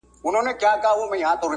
یو امینتي ساتونکی و